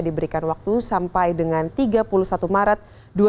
diberikan waktu sampai dengan tiga puluh satu maret dua ribu dua puluh